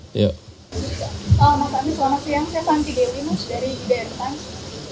mas ami selamat siang saya santi delimus dari bumk